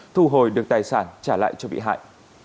thu hồi được tài sản trả lại cho bị hại